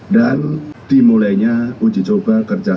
dan dimulainya uji coba kerjasama kris